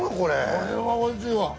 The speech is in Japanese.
これはおいしいわ。